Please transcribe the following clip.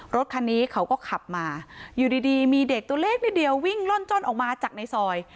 รถคันนี้เขาก็ขับมาอยู่ดีมีเด็กตัวเล็กนิดเดียววิ่งล่อนจ้อนออกมาจากในซอย